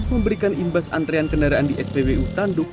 memberikan imbas antrean kendaraan di spbu tanduk